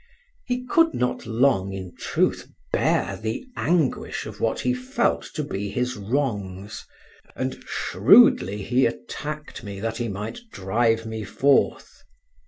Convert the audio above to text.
He could not long, in truth, bear the anguish of what he felt to be his wrongs, and shrewdly he attacked me that he might drive me forth.